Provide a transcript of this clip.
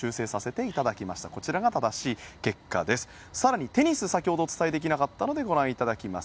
更にテニス先ほどお伝えできなかったのでお伝えします。